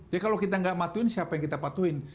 jadi kalau kita nggak patuhin siapa yang kita patuhin